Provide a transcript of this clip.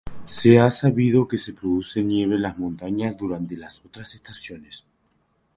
Se ha sabido que se produce nieve en las montañas durante las otras estaciones.